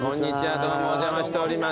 どうもお邪魔しております。